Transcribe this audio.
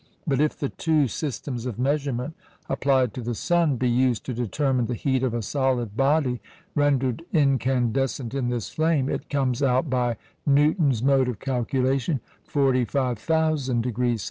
But if the two systems of measurement applied to the sun be used to determine the heat of a solid body rendered incandescent in this flame, it comes out, by Newton's mode of calculation, 45,000° C.